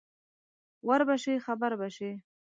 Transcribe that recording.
ور به شې خبر به شې